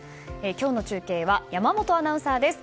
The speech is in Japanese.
今日の中継は山本アナウンサーです。